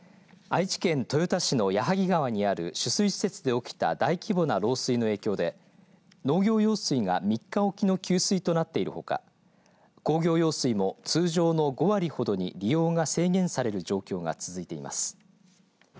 愛知県豊田市の矢作川にある取水施設で起きた大規模な漏水の影響で農業用水が３日おきの給水となっているほか工業用水も通常の５割ほどに利用が制限される状況が続いています。